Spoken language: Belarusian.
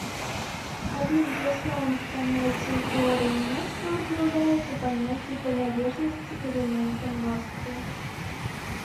Адным з асноўных паняццяў тэорыі мностваў з'яўляецца паняцце прыналежнасці элемента мноству.